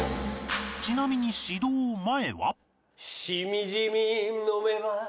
ちなみに指導前は